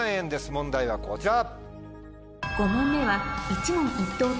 問題はこちら。